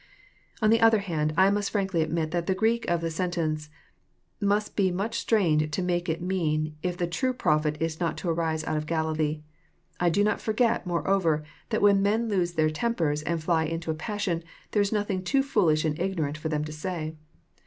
On the other hand, I must iVankly admit that the Greek of the sentence must be much strained to make it mean <*tbe true prophet is not to arise out of Galilee. I do not forget, more over, that when men lose their tempers and fiy into a passion, there is nothing too foolish and ignorant for them to say.